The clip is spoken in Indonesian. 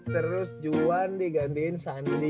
terus juan digantiin sandi